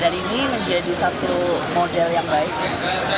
dan ini menjadi satu model yang baik